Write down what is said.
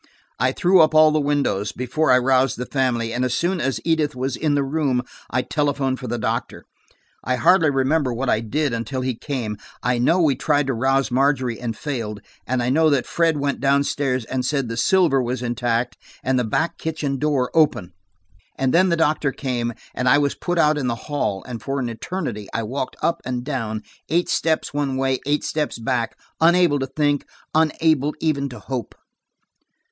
I threw up all the windows, before I roused the family, and as soon as Edith was in the room I telephoned for the doctor. I hardly remember what I did until he came: I know we tried to rouse Margery and failed, and I know that Fred went downstairs and said the silver was intact and the back kitchen door open. And then the doctor came, and I was put out in the hall, and for an eternity, I walked up and down, eight steps one way, eight steps back, unable to think, unable even to hope.